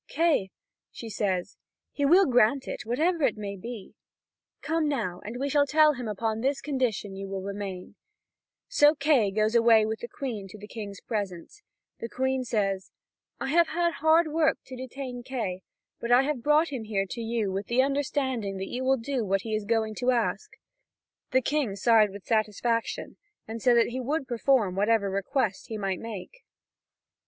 "Kay," she says, "he will grant it, whatever it may be. Come now, and we shall tell him that upon this condition you will remain." So Kay goes away with the Queen to the King's presence. The Queen says: "I have had hard work to detain Kay; but I have brought him here to you with the understanding that you will do what he is going to ask." The King sighed with satisfaction, and said that he would perform whatever request he might make.